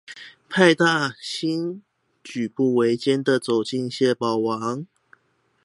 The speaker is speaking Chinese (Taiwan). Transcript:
派大星舉步維艱的走進蟹堡王